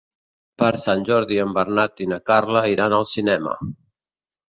Per Sant Jordi en Bernat i na Carla iran al cinema.